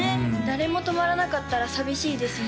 誰もとまらなかったら寂しいですね